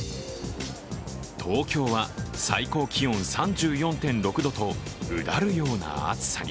東京は最高気温３４．６度とうだるような暑さに。